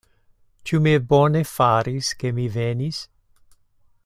Ĉu mi bone faris, ke mi venis?